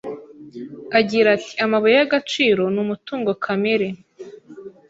Agira at, “Amabuye y’agaciro ni umutungo kamere